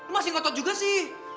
masih ngotot juga sih